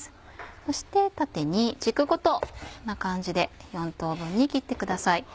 そして縦に軸ごとこんな感じで４等分に切ってください。